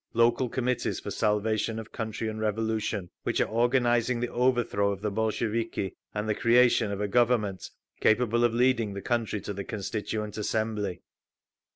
local Committees for Salvation of Country and Revolution, which are organising the overthrow of the Bolsheviki and the creation of a Government capable of leading the country to the Constituent Assembly.